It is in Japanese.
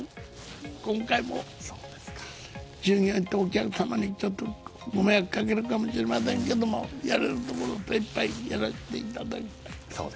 今回も従業員とお客様にご迷惑をかけるかもしれませんけどやれるところまでは精いっぱいやらせていただいて。